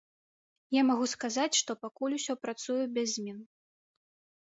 Я магу сказаць, што пакуль усё працуе без змен.